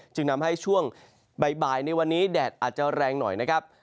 จึงทำให้ช่วงบ่ายในวันนี้แดดอาจจะแรงหน่อยนะครับ